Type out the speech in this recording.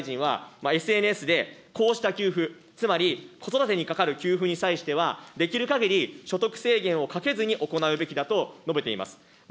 これを受けて、内閣の一員である小倉將信特命担当大臣は、ＳＮＳで、こうした給付、つまり子育てにかかる給付に際しては、できるかぎり所得制限をかけずに行うべきだと述べています。